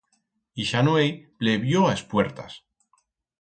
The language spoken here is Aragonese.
Ixa nueit plevió a espuertas.